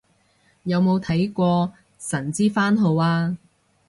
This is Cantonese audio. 有冇睇過神之番號啊